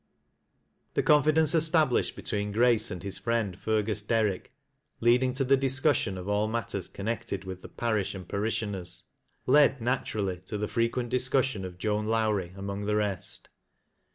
The confidence established between Grace and his friend Fergus Derrick, leading to the discussion of all matters connected with the parish and parishioners, ,ed naturally to the frequent discussion of Joan Lowrie among the rest.